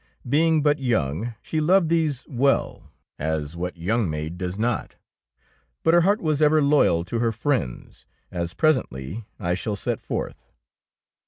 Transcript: Being but young, she loved these well, as what young maid does not! But her heart was ever loyal to her friends, as presently I shall set forth.